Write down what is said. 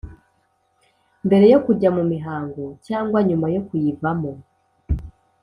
Mbere yo kujya mu mihango cyangwa nyuma yo kuyivamo